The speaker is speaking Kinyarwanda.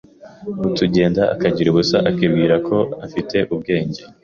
Utugenda akagira ubusa akibwira ko afite ubwenge